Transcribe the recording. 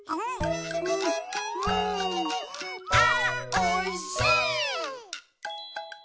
「あーおいしい！」